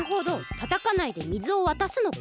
たたかないで水を渡すのか。